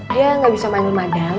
dia gak bisa mainin madam